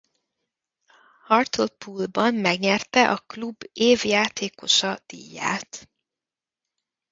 Hartlepoolban megnyerte a klub Év Játékosa díját.